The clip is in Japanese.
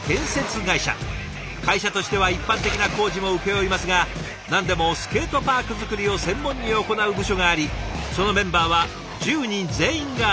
会社としては一般的な工事も請け負いますが何でもスケートパーク作りを専門に行う部署がありそのメンバーは１０人全員がスケーター。